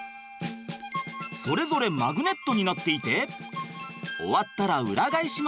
それぞれマグネットになっていて終わったら裏返します。